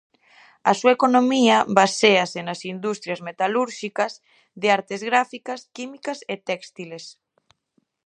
A súa economía baséase nas industrias metalúrxicas, de artes gráficas, químicas e téxtiles.